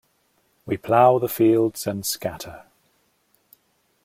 We plough the fields and scatter.